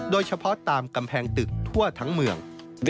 โดยเฉพาะตามกำแพงตึกทั่วทั้งเมือง